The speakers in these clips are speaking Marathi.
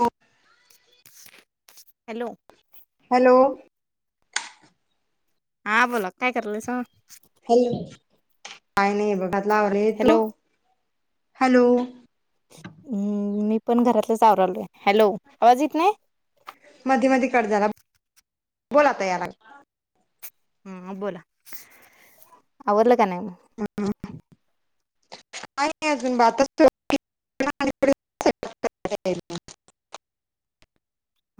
हो हॅलो हॅलो हा बोला काय करालय सा हॅलो काय नाही बघा. लावरे तू हॅलो हॅलो हम् मी पण घरातलंच आवरा आलोय हॅलो आवाज येत नाही? मधी मधी कट झाला बोला आता यायला लागला हम् बोला आवरलं [unintelligible] [unintelligible]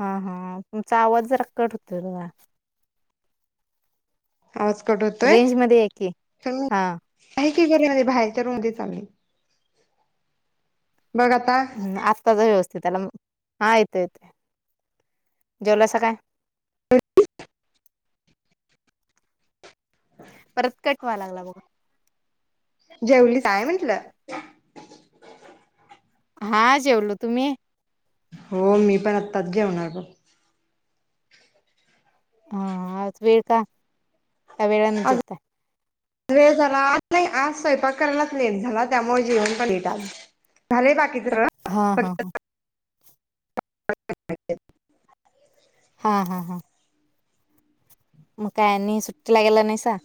हां हां तुमचा आवाज जरा कट होतो बघा.. आवाज कट होतोय रेंज मध्ये या की हां... [unintelligible] बाहेर च्या रूम मध्ये चालले.... हम् आताच व्यवस्थ... मी त्यालाम् म येत येत.. जेवलासा काय? परत कट व्हा लागला बघ... जेवलीस काय म्हंटलं? [inaudible] हां जेवलो तुम्ही? हो मी पण आत्ताच जेवणार बघ... हां आज वेळ का? का वेळानेच आज जेवता? वेळ झाला आत नाही आज स्वयंपाक करायलाच लेट झाला त्यामुळे जेवण पण लेट आज झालय बाकीच हां हां हां [unintelligible] हां हां हां म काय आणि सुट्टीला गेला नाहीसा?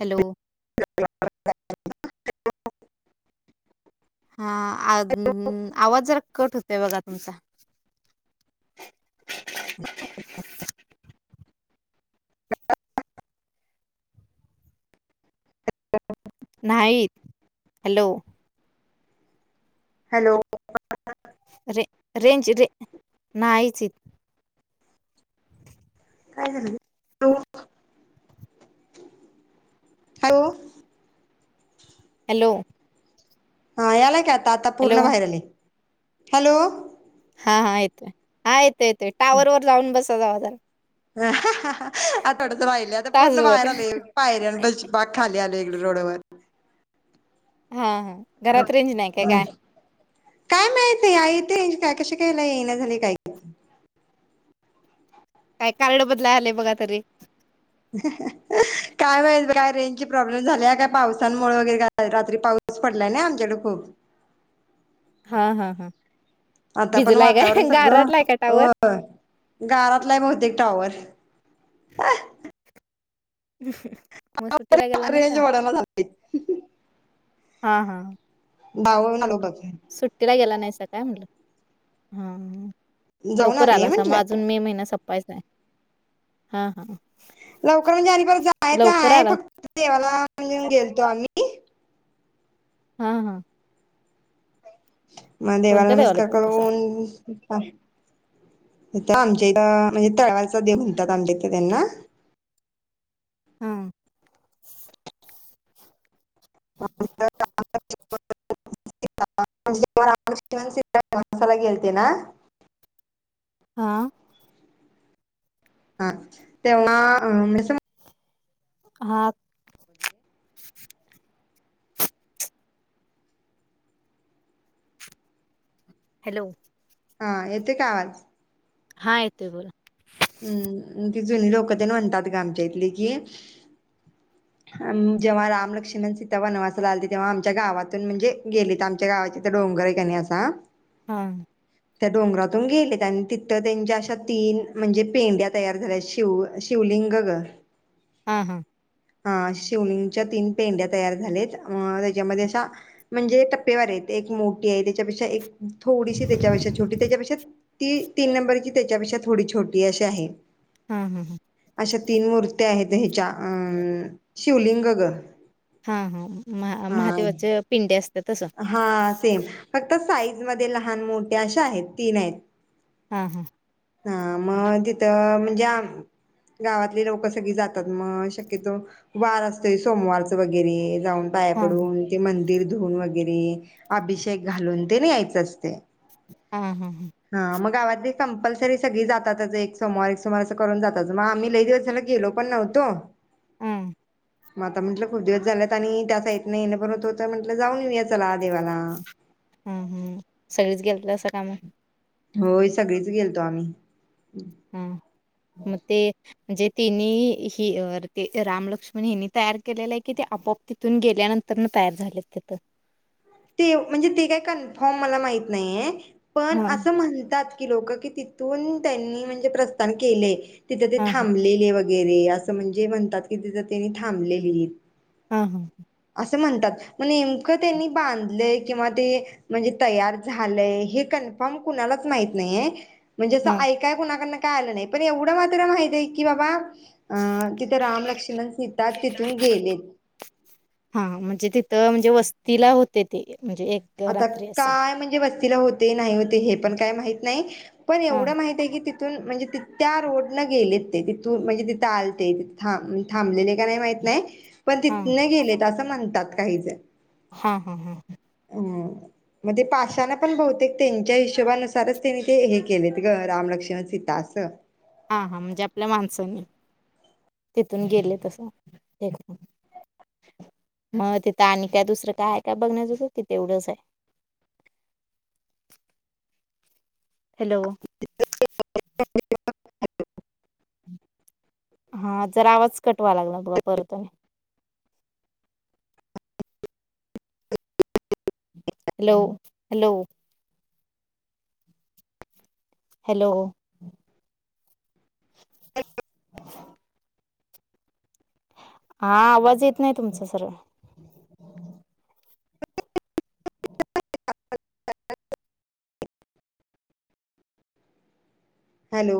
हॅलो हां आद गं गं आवाज जरा कट होतोय बघा तुमचा नाहीत हॅलो हॅलो रे रेंज रे नाहीच इत काय झालं ग? हॅलो हॅलो हा यायला का... आता हॅलो पूर्ण बाहेर आले... हॅलो हां हां येते हां येत ते ते टावर जाऊन बस [unintelligible] [inaudible] हा हा आ थोडंचं राहिले आता पूर्ण तासभर बाहेर आले पायऱ्या पाशी बाक खाली आले.... रोडवर हां हां काय माहती आई इथे काय कशी काय लाई येईना झालय काय काय कार्ड बदलाय आलय बघा तरी.. हा हा हा काय माहित काय रेंज ची प्रॉब्लेम झाल्या काय पावसांमुळे वगैरे काय रात्री पाऊस पडलाय ना आमच्याकडडे खूप.... हां हां हां आता पण वातावरण सगळं का टावर? होय गाराटलाय बहुतेक टॉवर ह मग सुट्टीला गेला रेंज नाहीसा? वडाला झाली हा हा [unintelligible] सुट्टीला गेला नाही. असं काय म्हटलं हा जाऊन लवकर आले आलासा मग म्हंटलं अजून मे महिना सपायचा आहे हा हा लवकर म्हणजे आणि परत जायच लवकर आहे आला फक्त देवाला गेलतो आम्ही [inaudible] हा हा मग देवाला कोणत्या नमस्कार गेलतासा? करून आमच्या इथं म्हणजे तळवचा देव म्हणतात आमच्या इथं त्यांना हा [unintelligible] [unintelligible] माणसाला गेलते ना हा हा तेव्हा म्हण हा हॅलो हा येते काय आवाज? हा येतोय बोला. हम्म ती जुनी लोकं त्या म्हणतात गमच्या इथले कि जेव्हा रामलक्ष्मण सीता वनवासा ला आलते तेव्हा आमच्या गावातून म्हणजे गेली तर आमच्या गावाची तर डोंगर आहे कणी असा हा त्या डोंगरातून गेलेत आणि तिथं त्यांच्या अशा तीन म्हणजे पिंड्या तयार झाल्या शिव शिवलिंग ग हा हा हा शिवलिंगच्या तीन पेंड्या तयार झाल्यात अ त्याच्यामध्ये अशा म्हणजे टप्पेवारी आहेत एक मोठी आहे त्याच्यापेक्षा एक थोडीशी त्याच्यापेक्षा छोटी त्याच्यापेक्षा ती तीन नंबरची त्याच्यापेक्षा थोडी छोटी अशी आहे. हा हा हा अशा तीन मूर्त्या आहेत ह्याच्या अ अ शिवलिंग ग. हा हा हा महादेवाचे पिंडे अस हा सेम फक् त साईज मध्ये लहान मोठ्या अशा आहेत तीन आहेत. हा हा हा मग तिथं ज्या गावातले लोक सगळी जातात मग शक्यतो वार असतो सोमवारच वगैरे जाऊन पाया हा हा पडून ते मंदिर धुऊन वगै की नही, अभिषेक घालून तिनं यायचं असते. आ हा ह हा मग गावात अरे कंपल्सरी सगळी जातातच. एक सोमवार, एक सोमवार अस करून जातात. मग आम्ही लय दिवस झाला गेलो पण नव्हतो आ म आता म्हटलं खूप दिवस झालेत, आणि त्या साइट नी येणं पण होत होत म्हटलं, जाऊन येऊया चला. देवाला हुं हुं सगळीच गेल तर सग काय माहित नाही. होय, सगळीच गेलतो आम्ही. हुं म ते म्हजे तिनी, हि ते रामलक्ष्मण ह्यांनी तयार केलेलं आहे, कि ते आपोआप तिथून गेल्यानंतर ना तयार झाले तिथं? ते म्हणजे ते काय कनफॉम मला माहीत नाहीए. पण हा असं म्हणतात. की लोक की तिथून त्यांनी म्हणजे प्रस्थान केले. तिथं ते हा हा थांबलेले व वगैरे असं म्हणजे म्हणतात कि तिथ त्यांनी थांबलेलीत. हा हा स म्हणतात नेमक त्यांनी बांधले किंवा ते म्हणजे तयार झालंय हे कन्फर्म कुणालाच माहीत नाहीये. म्हणजे असं हा ऐकाय कुणाकड न काय आलं नाही, पण एवढं मात्र माहित आहे की बाबा अं तिथे रामलक्ष्मण, सिता तिथून गेलेत. इथं म्हणजे वस्तीला होते ते. म्हणजे एक आता, रात्री असं काय म्हणजे बस तिला होते नाही होते हे पण काय माहित नाही. पण हा एवढं माहितीये की ती तीतून म्हणजे तीत त्या रोड न गेलेत, ते तिथून म्हणजे तिथं आलते तिथ था थांबलेले का नाही माहित नाही. पण, हा तिथन गेलेत असं म्हणतात. काहीच हुं हुं हुं! ह मग ते पाशाना पण बहुतेक त्यांच्या हिशोबानुसारच त्यांनी ते हे केलेत ग रामलक्ष्मण सीता असं. हा हा म्हणजे आपल्या माणसानी तिथून गेले तस मग तिथं आणि काय दुसरं काय आहे काय बघण्याजोग की तेवढच हाय. हॅलो! [inaudible] हा जरा आवाज कट व्हाला लागला बघा परत आणि हॅलो, हॅलो हॅलो हा आवाज येत नाही तुमचा सर्व हॅलो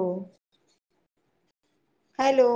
हॅलो